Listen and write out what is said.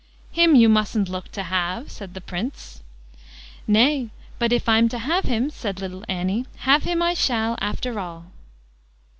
"Him you mustn't look to have", said the Prince. "Nay, but if I'm to have him", said little Annie, "have him I shall, after all."